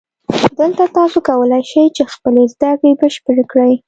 دلته تاسو کولای شئ چې خپلې زده کړې بشپړې کړئ